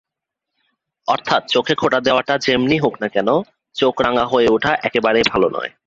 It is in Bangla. অর্থাৎ চোখে খোঁচা দেওয়াটা যেমনি হোক-না, চোখটা রাঙা হয়ে ওঠা একেবারেই ভালো নয়।